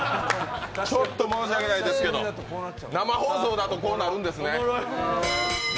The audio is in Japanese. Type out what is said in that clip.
ちょっと申し訳ないですけど、生放送だとこうなるんですね。